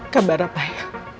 kabar apa ya